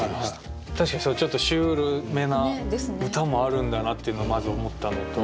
確かにそういうちょっとシュールめな歌もあるんだなっていうのまず思ったのと。